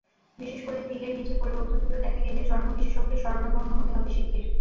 বিশেষ করে তিলের নিচের পরিবর্তনগুলো দেখা গেলে চর্মবিশেষজ্ঞের শরণাপন্ন হতে হবে শিগগির।